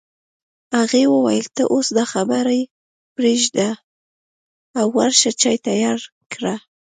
هغې وویل ته اوس دا خبرې پرېږده او ورشه چای تيار کړه